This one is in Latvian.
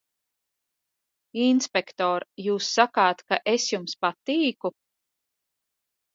Inspektor, jūs sakāt, ka es jums patīku?